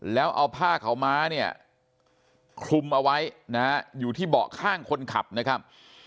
แล้วเอาผ้าเขามาขลุมเอาไว้อยู่ที่เบาะข้างคนขับนะครับ